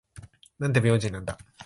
なんて不用心なんだ。